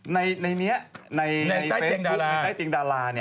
ในฟีสบุ๊กอย่างเท่าของแปลงดาราเนี้ย